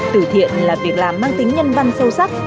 tử thiện là việc làm mang tính nhân văn sâu sắc